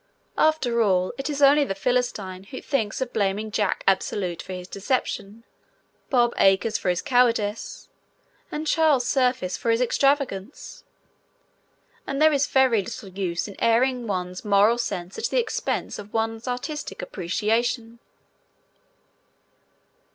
After all, it is only the Philistine who thinks of blaming Jack Absolute for his deception, Bob Acres for his cowardice, and Charles Surface for his extravagance, and there is very little use in airing one's moral sense at the expense of one's artistic appreciation.